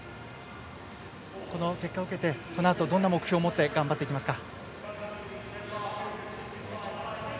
この結果を受けてこのあとどんな目標を持って頑張っていきますか？